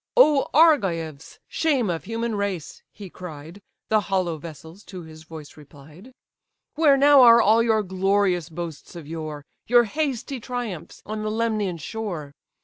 "O Argives! shame of human race! (he cried: The hollow vessels to his voice replied,) Where now are all your glorious boasts of yore, Your hasty triumphs on the Lemnian shore?